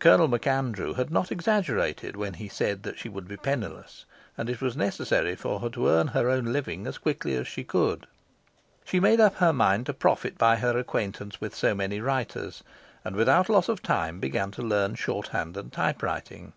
Colonel MacAndrew had not exaggerated when he said she would be penniless, and it was necessary for her to earn her own living as quickly as she could. She made up her mind to profit by her acquaintance with so many writers, and without loss of time began to learn shorthand and typewriting.